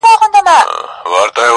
دا تور بدرنګه دا زامن د تیارو!